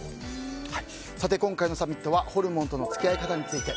今回のサミットはホルモンとの付き合い方について。